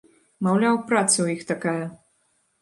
Маўляў, праца ў іх такая.